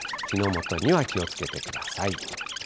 火の元には気をつけてください。